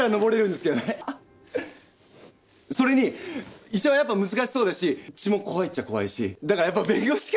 それに医者はやっぱ難しそうだし血も怖いっちゃ怖いしだからやっぱ弁護士かなって。